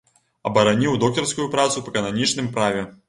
Абараніў доктарскую працу па кананічным праве.